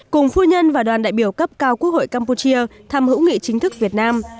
cùng phu nhân và đoàn đại biểu cấp cao quốc hội campuchia thăm hữu nghị chính thức việt nam